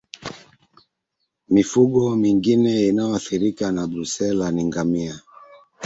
Mifugo mingine inayoathirika na Brusela ni ngamia